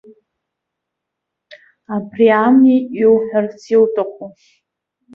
Абри ами иуҳәарц иуҭаху?